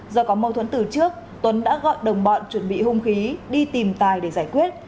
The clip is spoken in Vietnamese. do có mâu thuẫn từ trước tuấn đã gọi đồng bọn chuẩn bị hung khí đi tìm tài để giải quyết